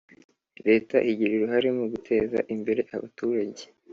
Leta igira uruhare mu guteza imbere abaturage